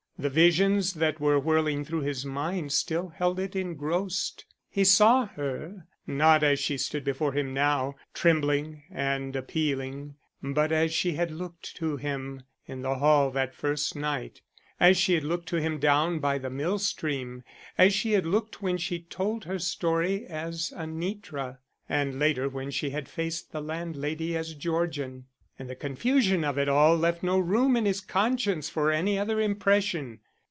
The visions that were whirling through his mind still held it engrossed. He saw her, not as she stood before him now, trembling and appealing, but as she had looked to him in the hall that first night, as she had looked to him down by the mill stream, as she had looked when she told her story as Anitra, and later when she had faced the landlady as Georgian, and the confusion of it all left no room in his conscience for any other impression.